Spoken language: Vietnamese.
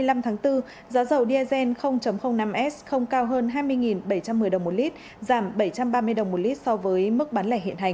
ngày hai mươi năm tháng bốn giá dầu diazhen năm s không cao hơn hai mươi bảy trăm một mươi đồng một lít giảm bảy trăm ba mươi đồng một lít so với mức bán lẻ hiện hành